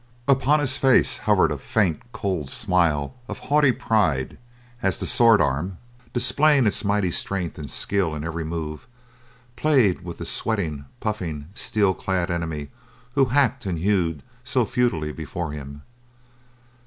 Upon his face hovered a faint, cold smile of haughty pride as the sword arm, displaying its mighty strength and skill in every move, played with the sweating, puffing, steel clad enemy who hacked and hewed so futilely before him.